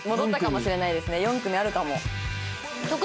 ４組あるかも。